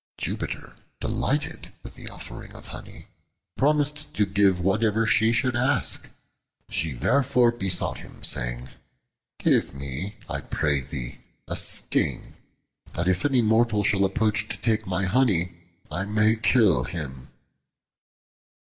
Jupiter, delighted with the offering of honey, promised to give whatever she should ask. She therefore besought him, saying, "Give me, I pray thee, a sting, that if any mortal shall approach to take my honey, I may kill him."